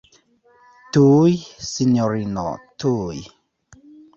Tuj, sinjorino, tuj.